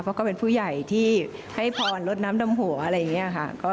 เพราะก็เป็นผู้ใหญ่ที่ให้พรลดน้ำดำหัวอะไรอย่างนี้ค่ะ